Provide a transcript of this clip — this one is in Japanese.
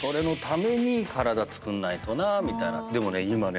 でもね今ね。